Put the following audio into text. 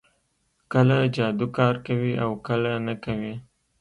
کله جادو کار کوي او کله نه کوي